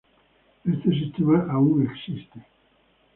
Este sistema todavía existe.